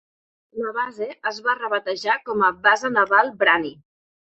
La base es va rebatejar com a Base Naval Brani.